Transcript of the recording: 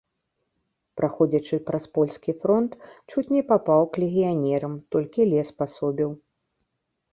Праходзячы праз польскі фронт, чуць не папаў к легіянерам, толькі лес пасобіў.